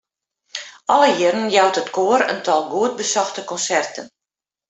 Alle jierren jout it koar in tal goed besochte konserten.